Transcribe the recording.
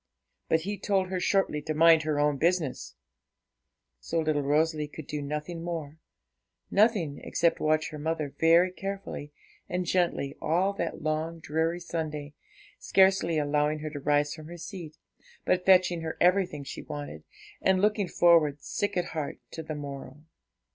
But he told her shortly to mind her own business; so little Rosalie could do nothing more nothing, except watch her mother very carefully and gently all that long, dreary Sunday, scarcely allowing her to rise from her seat, but fetching her everything she wanted, and looking forward, sick at heart, to the morrow.